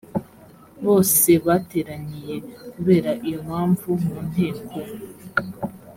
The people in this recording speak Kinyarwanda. bose bateraniye kubera iyo mpamvu mu nteko